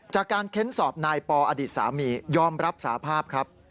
จากการเค้นสอบนายปอสามียอมรับสาภาพครับ